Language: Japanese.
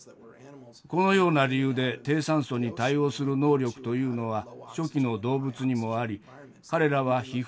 このような理由で低酸素に対応する能力というのは初期の動物にもあり彼らはＨＩＦ−１遺伝子を持っています。